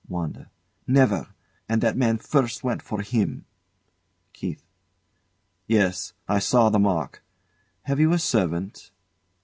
WANDA. Never! And that man first went for him. KEITH. Yes. I saw the mark. Have you a servant?